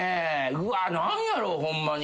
うわ何やろホンマに。